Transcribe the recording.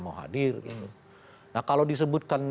mau hadir gitu nah kalau disebutkan